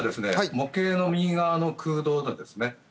模型の右側の空洞ですね